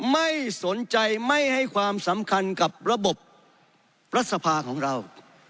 ไม่สนใจไม่ให้ความสำคัญกับระบบรัฐสภาของเรา